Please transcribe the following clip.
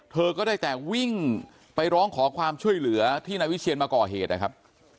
เธอก็ได้แต่วิ่งไปร้องขอความช่วยเหลือที่นายวิเชียนมาก่อเหตุนะครับ